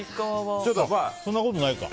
そんなことないか。